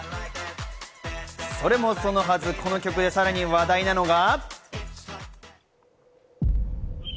それもそのはず、この曲でさらに話題なのが。